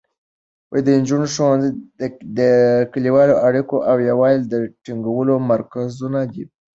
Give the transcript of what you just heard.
د نجونو ښوونځي د کلیوالو اړیکو او یووالي د ټینګولو مرکزونه دي.